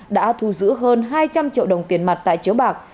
đã thu giữ hơn hai trăm linh triệu đồng tiền mặt tại chiếu bạc